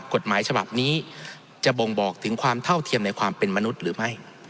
กฎหมายฉบับนี้จะบ่งบอกถึงความเท่าเทียมในความเป็นมนุษย์หรือไม่